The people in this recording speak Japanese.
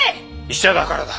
医者だからだ。